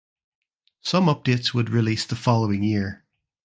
Some updates would release the following year.